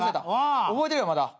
覚えてるよまだ。